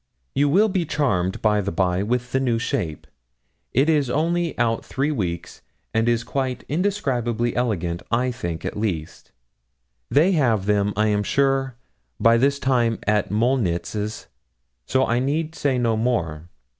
You will be charmed, by the by, with the new shape it is only out three weeks, and is quite indescribably elegant, I think, at least. They have them, I am sure, by this time at Molnitz's, so I need say no more.